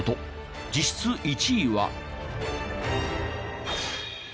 実質１位は。